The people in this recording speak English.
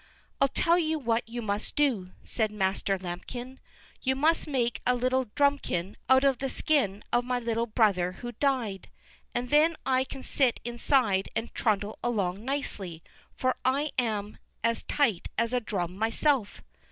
"I'll tell you what you must do," said Master Lambikin; "you must make a little drumikin out of the skin of my little brother who died, and then I can sit inside and trundle along nicely, for I'm as tight as a drum myself."